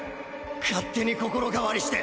勝手に心変わりして！